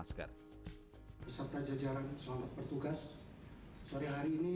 kita segera akan menyerahkan selamat bertugas pak doni